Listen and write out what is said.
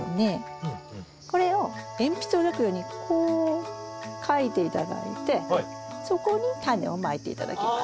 これを鉛筆で描くようにこう描いて頂いてそこにタネをまいて頂きます。